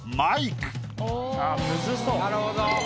なるほど。